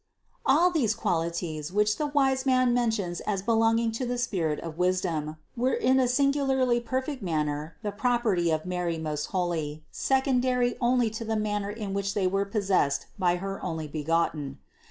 All these qualities, which the wise man mentions as belonging to the Spirit of Wisdom, were in a singularly perfect manner the property of Mary most holy, second ary only to the manner in which they were possessed by her Onlybegotten.